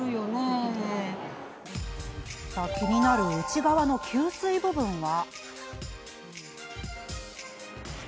気になる内側の吸水部分は。